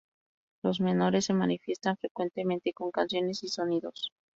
Los menores se manifiestan frecuentemente con canciones y sonidos.